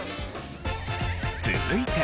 続いて。